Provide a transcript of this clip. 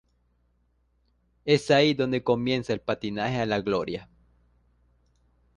Es ahí donde comienza el patinaje a la gloria.